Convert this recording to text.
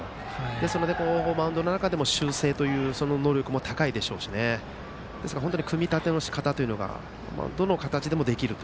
ですのでマウンドの上でも修正能力も高いですし組み立てのしかたというのがどの形でもできる。